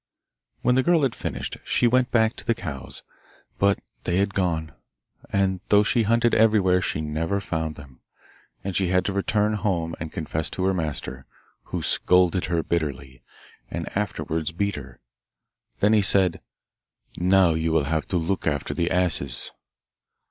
When the girl had finished she went back to find the cows, but they had gone, and though she hunted everywhere she never found them; and she had to return home and confess to her master, who scolded her bitterly, and afterwards beat her. Then he said, 'Now you will have to look after the asses.